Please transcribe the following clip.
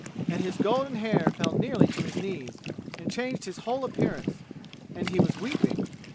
And his golden hair fell nearly to his knees and changed his whole appearance. And he was weeping.